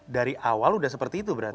dari awal sudah seperti itu berarti